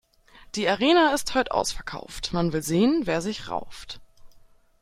Die Arena ist heut' ausverkauft, man will sehen, wer sich rauft.